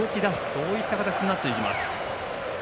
そういった形になっていきます。